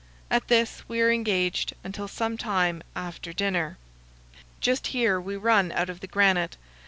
At this we are engaged until some time after dinner. Just here we run out of the granite.